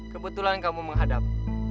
kebetulan kamu menghadap